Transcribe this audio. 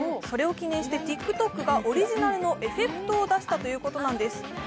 それを記念してＴｉｋＴｏｋがオリジナルのエフェクトを出したということなんです。